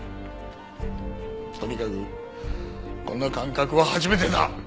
とにかくこんな感覚は初めてだ。